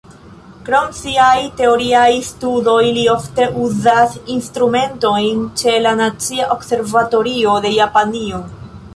Krom siaj teoriaj studoj, li ofte uzas instrumentojn ĉe la Nacia Observatorio de Japanio.